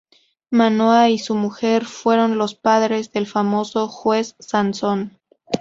Manoa y su mujer fueron los padres del famoso juez Sansón.